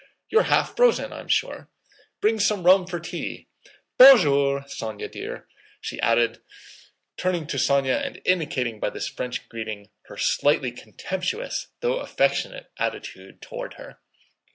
"You're half frozen, I'm sure! Bring some rum for tea!... Bonjour, Sónya dear!" she added, turning to Sónya and indicating by this French greeting her slightly contemptuous though affectionate attitude toward her.